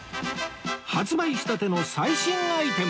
発売したての最新アイテム！